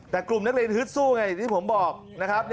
แต่กลุ่มนักเรียนฮึดสู้ไงอย่างที่ผมบอกนะครับ